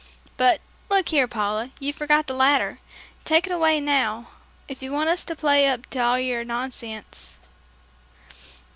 But, look here, Paula, you forgot the ladder. Take it away now, if you want us to play up to all your nonsense."